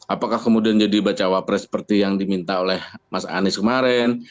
apakah kemudian jadi bacawa pres seperti yang diminta oleh mas anies kemarin